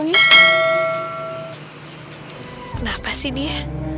kenapa sih dia